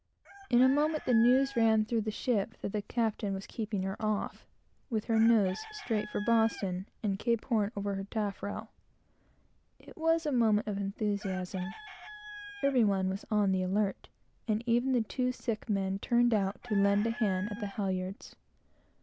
In a moment, the news ran through the ship that the captain was keeping her off, with her nose straight for Boston, and Cape Horn over her taffrail. It was a moment of enthusiasm. Every one was on the alert, and even the two sick men turned out to lend a hand at the halyards.